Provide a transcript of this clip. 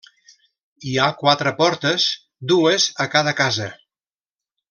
Hi ha quatre portes, dues a cada casa.